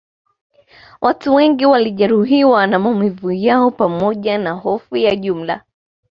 Watu wengi walijeruhiwa na maumivu yao pamoja na hofu ya jumla